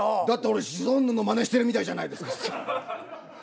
だったら俺シソンヌのまねしてるみたいじゃないですか。